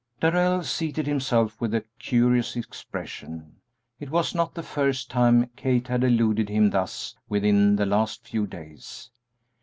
Darrell seated himself with a curious expression. It was not the first time Kate had eluded him thus within the last few days.